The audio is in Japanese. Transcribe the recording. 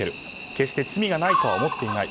決して罪がないとは思っていない。